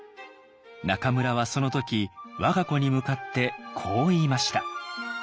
中村はその時我が子に向かってこう言いました。